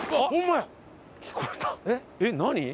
えっ何？